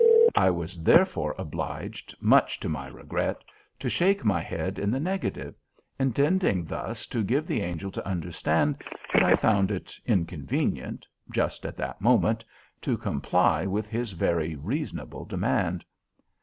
I was therefore obliged, much to my regret, to shake my head in the negative, intending thus to give the Angel to understand that I found it inconvenient, just at that moment, to comply with his very reasonable demand!